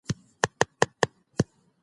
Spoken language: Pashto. عبدالقادر توخى اکبر ساګزى محمدداود هوتک